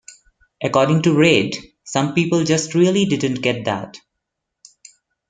According to Reid, Some people just really didn't get that.